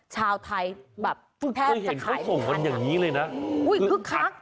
ชาวไทยแทบจะขายอีกครั้งอุ๊ยคือกทัก